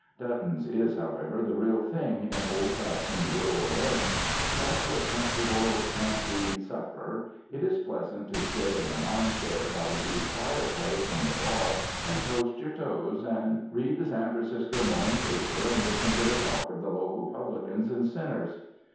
Button's is, however, the real thing in old fashioned rural inns, and, after a comfortable coun try supper, it is pleasant to sit in an arm chair by the huge fireplace in the bar and toast your toes, read the San Francisco morning paper and listen to the talk of the local publicans and sinners.